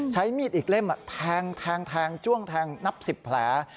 ใช้มีดอีกเล่มแทงจ้วงแทงนับ๑๐แผล